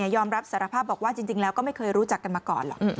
ยอมรับสารภาพบอกว่าจริงแล้วก็ไม่เคยรู้จักกันมาก่อนหรอก